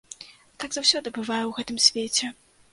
Так заўсёды бывае ў гэтым свеце.